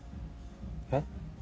えっ？